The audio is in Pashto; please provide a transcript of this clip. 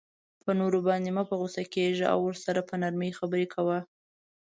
په نورو باندی مه په غصه کیږه او ورسره په نرمۍ خبری کوه